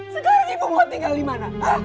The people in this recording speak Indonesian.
sekarang ibu mau tinggal dimana